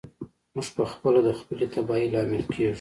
موږ پخپله د خپلې تباهۍ لامل کیږو.